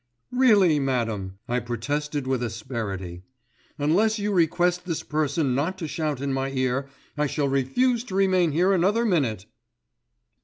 "Really, madam," I protested with asperity, "unless you request this person not to shout in my ear, I shall refuse to remain here another minute."